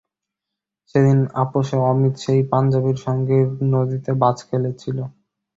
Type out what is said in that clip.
সেদিন আপসে অমিত সেই পাঞ্জাবির সঙ্গে নদীতে বাচ খেলেছিল।